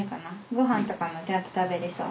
ごはんとかもちゃんと食べれそう？